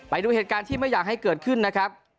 ไปดูเหตุการณ์ที่ไม่อยากให้เกิดขึ้นนะครับ